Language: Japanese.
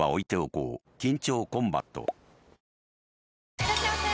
いらっしゃいませ！